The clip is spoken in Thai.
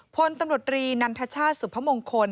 พลตำรวจรีนันทชาติสุพมงคล